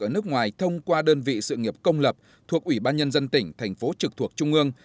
ở nước ngoài thông qua đơn vị sự nghiệp công lập thuộc ủy ban nhân dân tỉnh thành phố trực thuộc trung ương